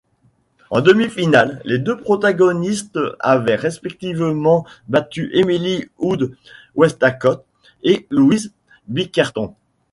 En demi-finale, les deux protagonistes avaient respectivement battu Emily Hood Westacott et Louise Bickerton.